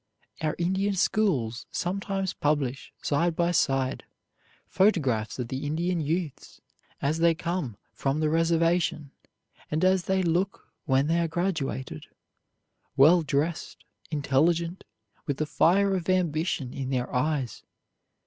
Our Indian schools sometimes publish, side by side, photographs of the Indian youths as they come from the reservation and as they look when they are graduated, well dressed, intelligent, with the fire of ambition in their eyes.